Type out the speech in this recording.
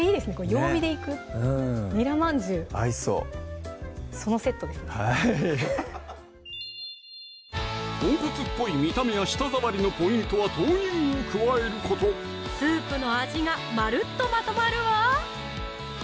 曜日でいく「ニラまんじゅう」合いそうそのセットですねとんこつっぽい見た目や舌触りのポイントは豆乳を加えることスープの味がまるっとまとまるわ！